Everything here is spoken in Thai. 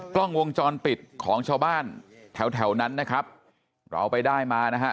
กล้องวงจรปิดของชาวบ้านแถวแถวนั้นนะครับเราไปได้มานะฮะ